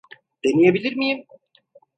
Deneyebilir miyim?